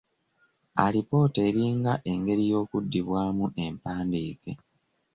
Alipoota eringa engeri y'okuddibwamu empandike.